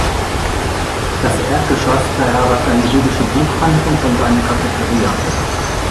Das Erdgeschoss beherbergt eine jüdische Buchhandlung und eine Cafeteria.